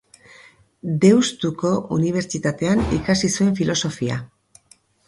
Deustuko Unibertsitatean ikasi zuen Filosofia.